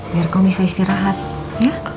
biar kamu bisa istirahat ya